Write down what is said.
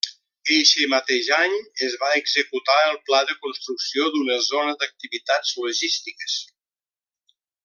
Eixe mateix any, es va executar el pla de construcció d'una Zona d'Activitats Logístiques.